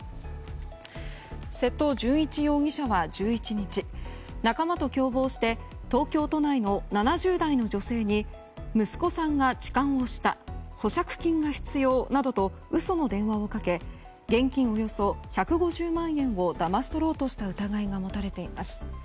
瀬戸淳一容疑者は１１日仲間と共謀して東京都内の７０代の女性に息子さんが痴漢をした保釈金が必要などと嘘の電話をかけ現金およそ１５０万円をだまし取ろうとした疑いが持たれています。